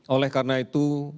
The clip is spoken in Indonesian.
oleh karena itu